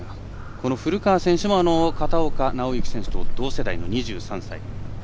この古川選手も片岡選手と同世代の２３歳。